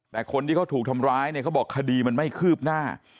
แต่คนที่เขาถูกทำร้ายเนี่ยเขาบอกคดีมันไม่คืบหน้า